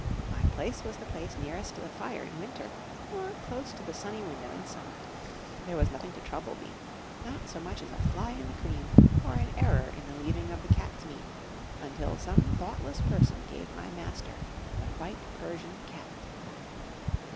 My place was the place nearest the fire in winter, or close to the sunny window in summer. There was nothing to trouble me not so much as a fly in the cream, or an error in the leaving of the cat's meat, until some thoughtless person gave my master the white Persian cat.